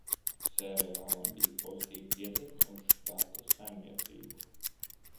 Seriālam bija pozitīva ietekme uz štata saimniecību.